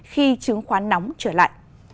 khi chứng khoán nóng trở lại